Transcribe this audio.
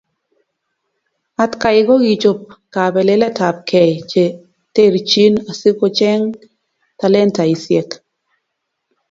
Atkai kokichop kabeleletabkei che terchin asikocheny talentaisiek